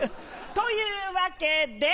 というわけで。